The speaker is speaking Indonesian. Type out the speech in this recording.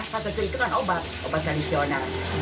nasi cikur itu kan obat obat tradisional